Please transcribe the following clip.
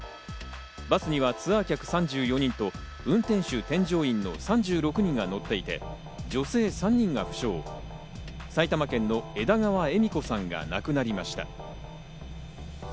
バスにはツアー客３４人と運転手、添乗員の３６人が乗っていて、女性３人が負傷、埼玉県の枝川恵美子さんが亡くなりました。